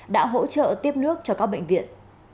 đã hỗ trợ tiếp nước cho các bệnh viện